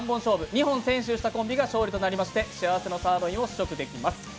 ２本先取したチームが勝利となりまして幸せのサーロインの試食となります。